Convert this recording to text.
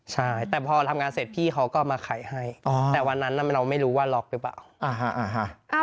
ใช่แต่พอทำงานเสร็จพี่เขาก็มาไขให้แต่วันนั้นเราไม่รู้ว่าล็อกหรือเปล่า